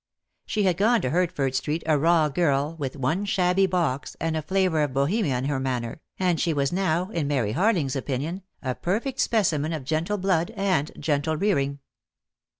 She had gone to Hertford Street a raw girl — with one shabby box, and a flavour of Bohemia in her manner, and she was now, in Mary Harling's opinion, a perfect specimen of gentle blood and gentle rearing.